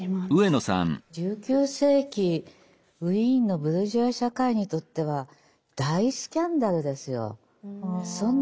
１９世紀ウィーンのブルジョワ社会にとっては大スキャンダルですよ。